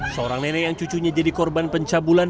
seorang nenek yang cucunya jadi korban pencabulan